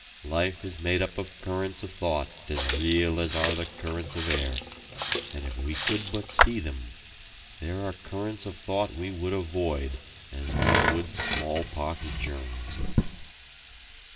Life is made up of currents of thought as real as are the currents of air, and if we could but see them, there are currents of thought we would avoid as we would smallpox germs.